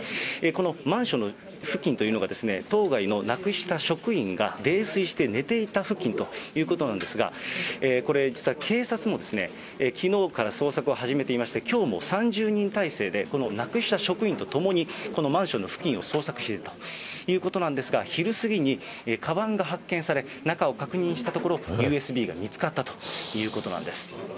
このマンションの付近というのが、当該のなくした職員が泥酔して寝ていた付近ということなんですが、これ、実は警察もきのうから捜索を始めていまして、きょうも３０人態勢で、このなくした職員と共にこのマンションの付近を捜索しているということなんですが、昼過ぎにかばんが発見され、中を確認したところ、ＵＳＢが見つかったということなんです。